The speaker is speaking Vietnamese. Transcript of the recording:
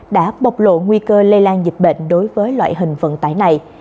đã bộc lộ nguy cơ lây lan dịch bệnh đối với loại hình vận tải này